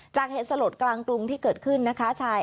จากเห็นสลดกลางตรงที่เกิดขึ้นนะคะจัง